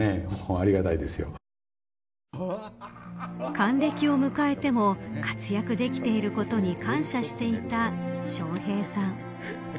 還暦を迎えても活躍できていることに感謝していた笑瓶さん。